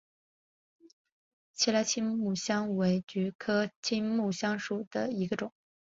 奇莱青木香为菊科青木香属下的一个种。